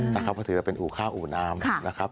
จะถือเป็นอู่ข้าวอู่น้ำนะครับ